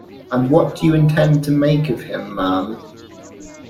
And what do you intend to make of him, ma'am?